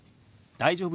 「大丈夫？」。